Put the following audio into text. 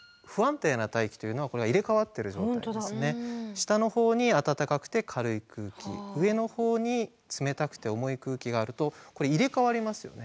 下の方に温かくて軽い空気上の方に冷たくて重い空気があるとこれ入れ代わりますよね。